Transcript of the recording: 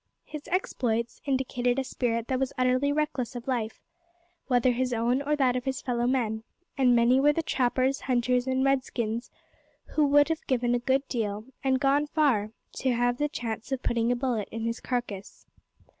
His exploits indicated a spirit that was utterly reckless of life, whether his own or that of his fellow men, and many were the trappers, hunters, and Redskins who would have given a good deal and gone far to have the chance of putting a bullet in his carcass.